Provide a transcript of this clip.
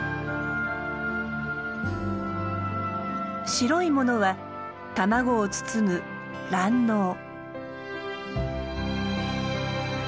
白いものは卵を包む卵のう。